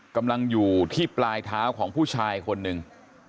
กำลังอยู่ที่ปลายเท้าของผู้ชายคนหนึ่ง